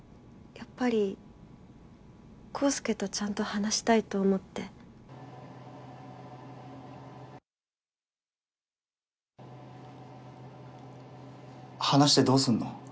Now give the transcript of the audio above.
やっぱり康祐とちゃんと話したいと思って話してどうすんの？